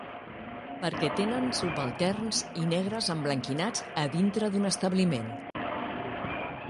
Perquè tenen subalterns i negres emblanquinats a dintre d'un establiment